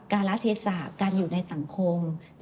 เราจะเน้นที่ทักษะทางสังคมแน่เลย